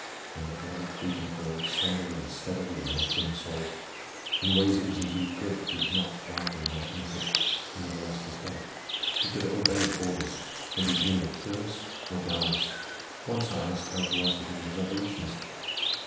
And yet love of freedom glowed sombrely and steadily in his dim soul. In ways it was indeed good that he was not flighty and imaginative. He never lost his head. He could obey orders, and he was neither curious nor garrulous. Once I asked how it was that he was a revolutionist.